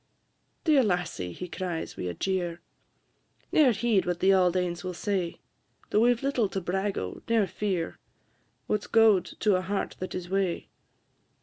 "Dear lassie," he cries, wi' a jeer, "Ne'er heed what the auld anes will say; Though we 've little to brag o', near fear What 's gowd to a heart that is wae?